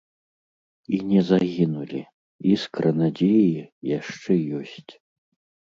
І не загінулі, іскра надзеі яшчэ ёсць.